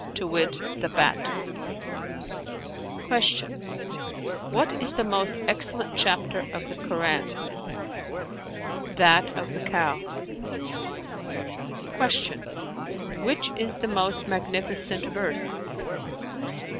to wit, the bat." Q "Which is the most excellent chapter of the Koran?" "That of The Cow.[FN#352]" Q "Which is the most magnificent verse?"